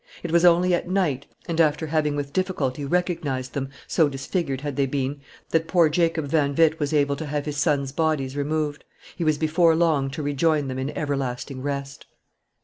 It was only at night, and after having with difficulty recognized them, so disfigured had they been, that poor Jacob van Witt was able to have his sons' bodies removed; he was before long to rejoin them in everlasting rest.